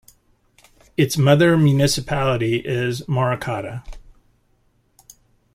Its mother municipality is Morochata.